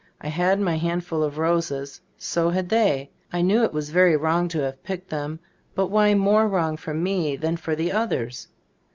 I had my handful of roses — so had they. I knew it was very wrong to have picked them, but why more wrong for me than for the others?